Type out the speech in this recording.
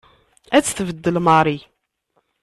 Ad tt-tbeddel Mary.